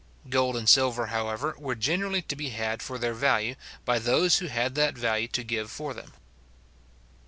Gold and silver, however, were generally to be had for their value, by those who had that value to give for them.